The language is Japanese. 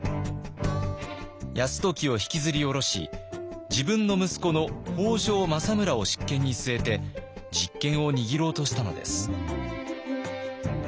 泰時を引きずり降ろし自分の息子の北条政村を執権に据えて実権を握ろうとしたのです。